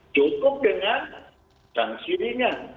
cukup dengan sanksi ringan